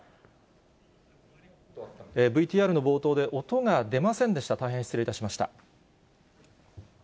ＶＴＲの冒頭で、音が出ませんでした、大変失礼いたしました。